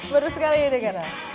baru sekali ini dengar